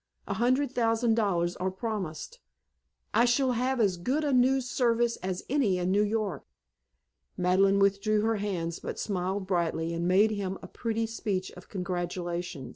A hundred thousand dollars are promised. I shall have as good a news service as any in New York." Madeleine withdrew her hands but smiled brightly and made him a pretty speech of congratulation.